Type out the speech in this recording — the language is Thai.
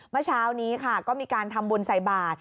เมื่อเช้านี้ค่ะก็มีการทำบุญใส่บาท